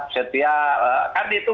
setiap kan itu